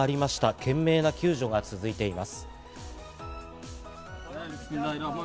懸命な救助が続いています。